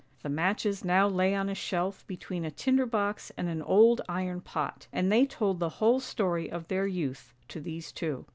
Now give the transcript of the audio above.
The matches now lay on a shelf between a tinder box and an old iron pot, and they told the whole story of their youth to these two.